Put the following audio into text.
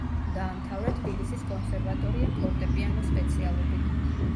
დაამთავრა თბილისის კონსერვატორია ფორტეპიანოს სპეციალობით.